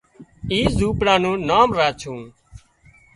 اي زونپڙا نُون نام راڇُون